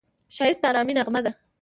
ښایست د ارامۍ نغمه ده